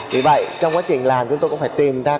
vì vậy trong quá trình làm chúng tôi cũng phải tìm ra